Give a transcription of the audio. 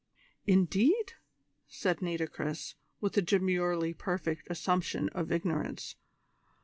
"Indeed?" said Nitocris, with a demurely perfect assumption of ignorance.